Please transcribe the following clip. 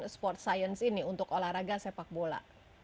sport science ini untuk olahraga sepak bola